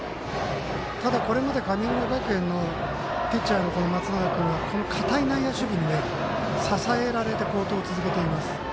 ただ、これまで神村学園のピッチャーの松永君は堅い内野守備に支えられて、好投を続けています。